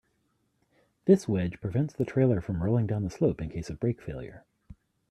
This wedge prevents the trailer from rolling down the slope in case of brake failure.